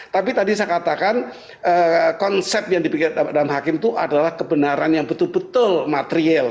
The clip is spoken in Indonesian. tapi tadi saya katakan konsep yang dipikirkan dalam hakim itu adalah kebenaran yang betul betul material